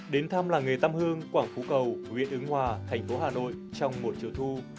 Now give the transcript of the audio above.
đến thăm làng nghề tâm hương quảng phú cầu huyện ứng hòa thành phố hà nội trong một chiều thu